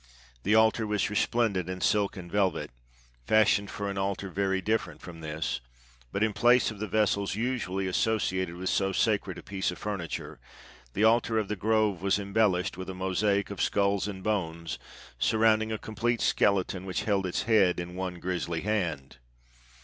The altar was resplendent in silk and velvet, fashioned for an altar very different from this; but in place of the vessels usually associated with so sacred a piece of furniture, the Altar of the Grove was embellished with a mosaic of skulls and bones surrounding a complete skeleton which held its head in one grisly hand.